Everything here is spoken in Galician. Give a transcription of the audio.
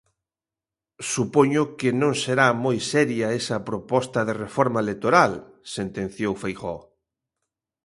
"Supoño que non será moi seria esa proposta de reforma electoral", sentenciou Feijóo.